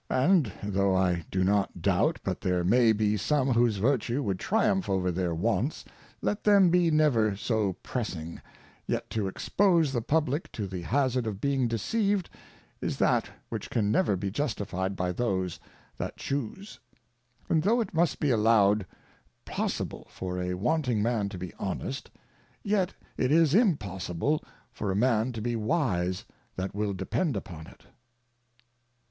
And though I do not doubt, but there may be some whose Virtue would triumph over their Wants, let them be never so pressing ; yet to expose the Publick to the hazard of being deceived, is that which can never be justifi'd by those that Chuse. And tho it must be allow 'd possible for a wan ting Man to be honest, yet it is impossible for a Man to be wise that will depend upon it.